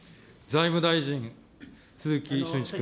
財務大臣、鈴木俊一君。